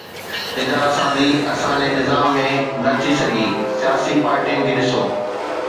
ادارا سازي اسان جي نظام ۾ نه ٿي سگهي، سياسي پارٽين کي ڏسو